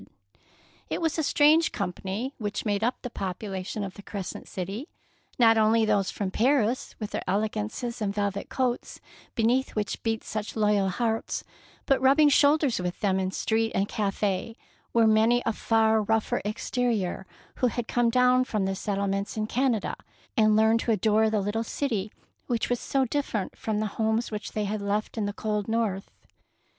189 DEEDS OF DARING It was a strange company which made up the population of the Cres cent City, not only those from Paris with their elegances and velvet coats, beneath which beat such loyal hearts, but rubbing shoulders with them in street and cafe were many of far rougher exterior, who had come down from the settlements in Canada, and learned to adore the little city which was so different from the homes which they had left in the cold North.